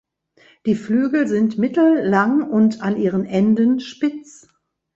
Die Flügel sind mittellang und an ihren Enden spitz.